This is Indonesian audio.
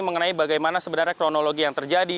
mengenai bagaimana sebenarnya kronologi yang terjadi